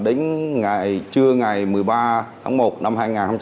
đến trưa ngày một mươi ba tháng một năm hai nghìn hai mươi hai